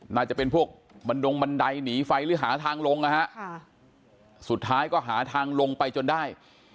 น่าจะเป็นพวกบันดงบันไดหนีไฟหรือหาทางลงนะฮะสุดท้ายก็หาทางลงไปจนได้